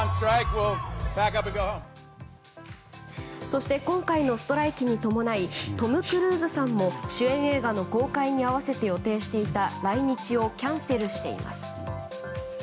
そして、今回のストライキに伴いトム・クルーズさんも主演映画の公開に合わせて予定していた来日をキャンセルしています。